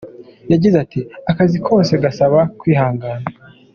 Yagize ati “Akazi kose gasaba kwihangana.